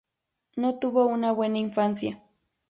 No tuvo una buena infancia.